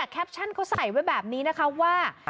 แคปชั่นเขาใส่ไว้แบบนี้นะคะว่า